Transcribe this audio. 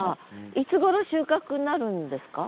いつごろ収穫になるんですか？